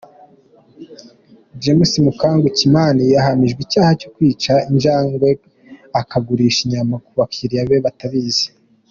James Mukangu Kimani yahamijwe icyaha cyo kwica injangwe akagurisha inyama ku bakiriya be batabizi.